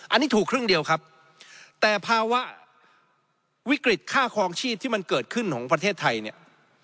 อันนี้ถูกครึ่งเดียวครับแต่ภาวะวิกฤตค่าคลองชีพที่มันเกิดขึ้นของประเทศไทยเนี่ย